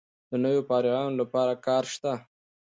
د نویو فارغانو لپاره کار شته؟